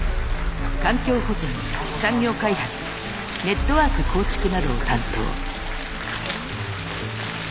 環境保全産業開発ネットワーク構築などを担当。